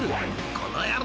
［この野郎！